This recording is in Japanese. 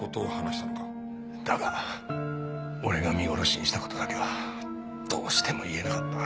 だが俺が見殺しにした事だけはどうしても言えなかった。